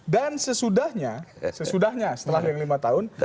dan sesudahnya setelah yang lima tahun